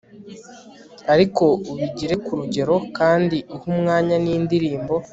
ariko ubigire ku rugero, kandi uhe umwanya n'indirimbo